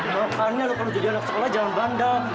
makanya lo kalau jadi anak sekolah jangan bandang